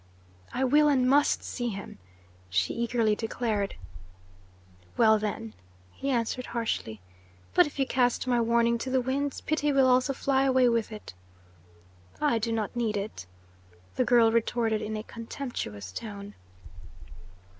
"I will and must see him," she eagerly declared. "Well, then," he answered harshly. "But if you cast my warning to the winds, pity will also fly away with it." "I do not need it," the girl retorted in a contemptuous tone.